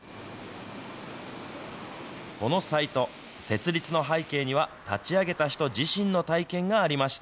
このサイト、設立の背景には、立ち上げた人自身の体験がありました。